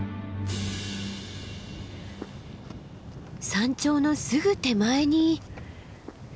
山頂のすぐ手前に。